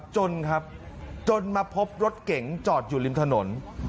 จนครับจนมาพบรถเก๋งจอดอยู่ริมถนน